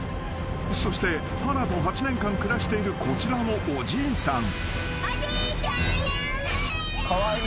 ［そして華と８年間暮らしているこちらのおじいさん］